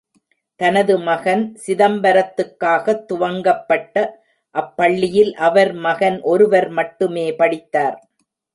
தனது மகன் சிதம்பரத்துக்காகத் துவங்கப்பட்ட அப்பள்ளியில் அவர் மகன் ஒருவர் மட்டுமே படித்தார்.